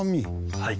はい。